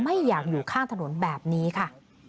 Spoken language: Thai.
ไม่อยากอยู่ข้างถนนแบบนี้ค่ะ